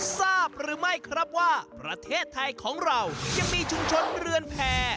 ทราบหรือไม่ครับว่าประเทศไทยของเรายังมีชุมชนเรือนแผ่